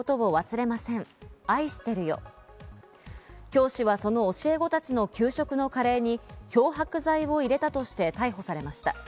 教師はその教え子たちの給食のカレーに漂白剤を入れたとして逮捕されました。